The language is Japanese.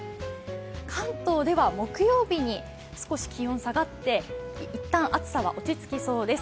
関東では木曜日に少し気温が下がって、一旦暑さは落ち着きそうです。